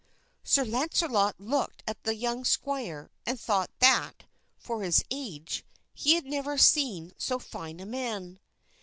Sir Launcelot looked at the young squire and thought that, for his age, he had never seen so fine a man.